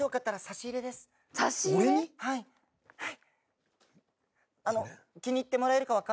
はい。